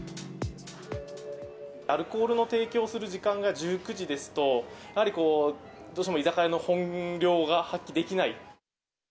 アルコールの提供する時間が１９時ですと、やはりこう、どうしても居酒屋の本領が発揮できない。